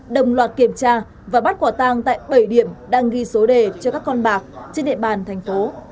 đồng loạt kiểm tra và bắt quả tang tại bảy điểm đang ghi số đề cho các con bạc trên địa bàn thành phố